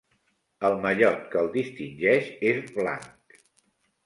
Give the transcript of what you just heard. El mallot que el distingeix és blanc.